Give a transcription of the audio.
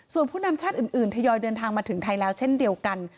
ส่วนผู้นำชาติอื่นทยอยเดินทางมาถึงไทยแล้วเช่นเดียวกัน